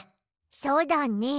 そうだね。